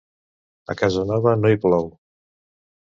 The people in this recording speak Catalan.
A casa nova no hi plou.